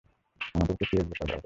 আমাদের কে এগুলি সরবরাহ করে?